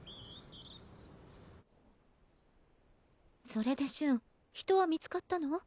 それで瞬人は見つかったの？